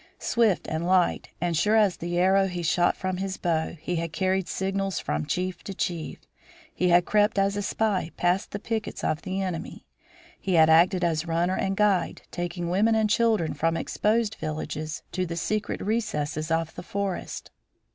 Swift and light, and sure as the arrow he shot from his bow, he had carried signals from chief to chief, he had crept as a spy past the pickets of the enemy, he had acted as runner and guide, taking women and children from exposed villages to the secret recesses of the forest.